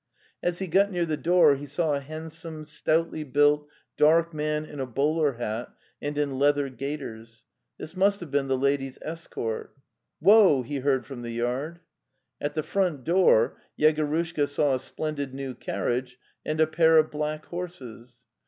As he got near the door he saw a handsome, stoutly built, dark man in a bowler hat and in leather gaiters. 'This must have been the lady's escort. '"'Woa!" he heard from the yard. At the front door Yegorushka saw a splendid new carriage and a pair of black horses.